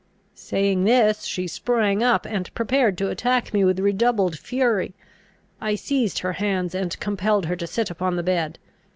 Saying this, she sprung up, and prepared to attack me with redoubled fury. I seized her hands, and compelled her to sit upon the bed.